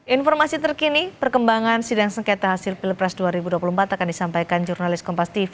informasi terkini perkembangan sidang sengketa hasil pilpres dua ribu dua puluh empat akan disampaikan jurnalis kompas tv